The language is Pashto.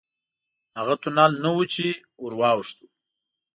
هغه تونل نه و چې ورواوښتو.